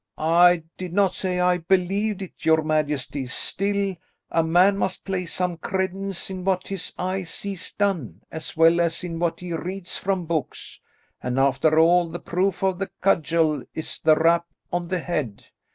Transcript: "I did not say I believed it, your majesty, still, a man must place some credence in what his eye sees done, as well as in what he reads from books; and after all, the proof of the cudgel is the rap on the head.